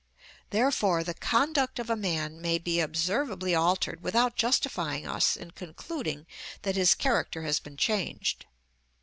Therefore the conduct of a man may be observably altered without justifying us in concluding that his character has been changed.